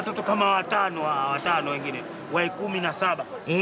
え！